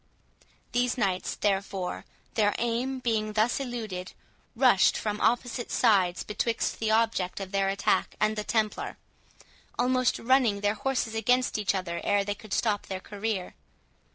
These knights, therefore, their aim being thus eluded, rushed from opposite sides betwixt the object of their attack and the Templar, almost running their horses against each other ere they could stop their career.